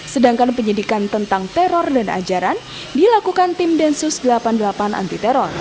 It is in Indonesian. sedangkan penyidikan tentang teror dan ajaran dilakukan tim densus delapan puluh delapan anti teror